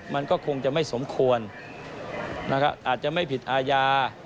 มันก็คงจะไม่สมควรนะครับอาจจะไม่ผิดอาญา